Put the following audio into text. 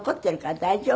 大丈夫。